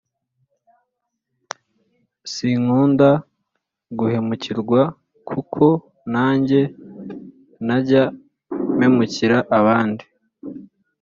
Sinkunda guhemukirwa kuko nanjye ntajya memukira abandi